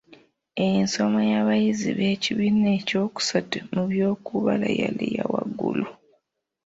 Ensoma y'abayizi b’ekibiina ekyokusattu mu by’okubala yali yawaggulu.